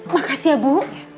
makasih ya bu